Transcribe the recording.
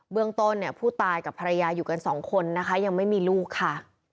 เรื่องต้นเนี่ยผู้ตายกับภรรยาอยู่กันสองคนนะคะยังไม่มีลูกค่ะ